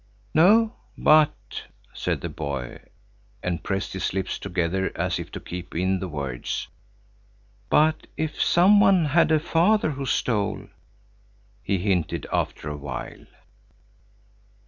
"No; but," said the boy, and pressed his lips together as if to keep in the words, "but if some one had a father who stole," he hinted after a while.